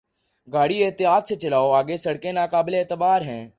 گاڑی احتیاط سے چلاؤ! آگے سڑکیں ناقابل اعتبار ہیں۔